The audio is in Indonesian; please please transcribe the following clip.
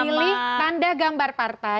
memilih tanda gambar partai